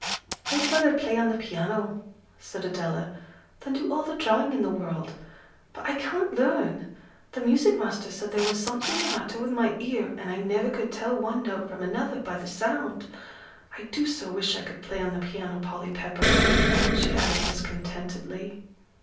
"I'd rather play on the piano," said Adela, "than do all the drawing in the world. But I can't learn; the music master said there was something the matter with my ear, and I never could tell one note from another by the sound. I do so wish I could play on the piano, Polly Pepper!" she added discontentedly.